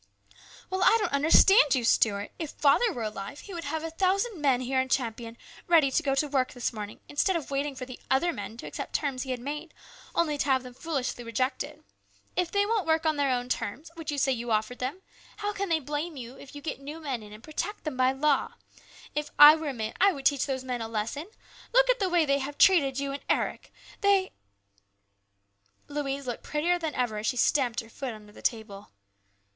" Well, I don't understand you, Stuart. If father were alive, he would have a thousand men here in Champion ready to go to work this morning, instead of waiting for the other men to accept terms he had made, only to have them foolishly rejected. If they won't work on their own terms, which you say you offered them, how can they blame you if you get new men in and protect them by law ? If I were a man, I would teach those men a lesson ! Look at the way they have treated you and Eric. They " Louise looked prettier than ever as she stamped her foot under the table.